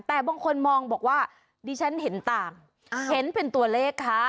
แต่บางคนมองบอกว่าดิฉันเห็นต่างเห็นเป็นตัวเลขค่ะ